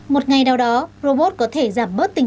một ngày nào đó robot có thể giảm mất tiền